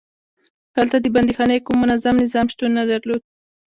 هلته د بندیخانې کوم منظم نظام شتون نه درلود.